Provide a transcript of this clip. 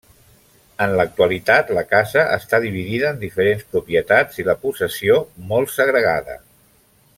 En l'actualitat la casa està dividida en diferents propietats i la possessió molt segregada.